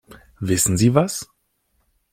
Wissen Sie was?